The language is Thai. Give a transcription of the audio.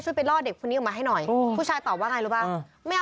ชุดไปรอดเด็กคนนี้มาให้หน่อยผู้ชายตอบว่าไงรู้บ้างไม่